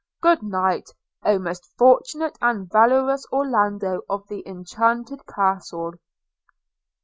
'Good night! O most fortunate and valorous Orlando of the enchanted castle!'